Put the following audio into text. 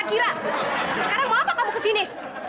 sekarang mau apa kamu ke sini